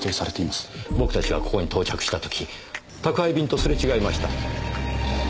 僕たちがここに到着した時宅配便とすれ違いました。